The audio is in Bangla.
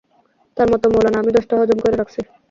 তোর মতো মৌলানা আমি দশটা হজম কইরা রাখছি।